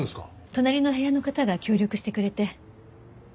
隣の部屋の方が協力してくれて。